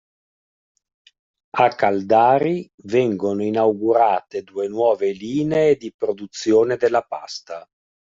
A Caldari vengono inaugurate due nuove linee di produzione della pasta.